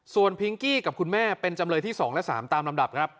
ส่วนพิงกี้กับคุณแม่เป็นจำเลยที่๒และ๓ตามลำดับครับ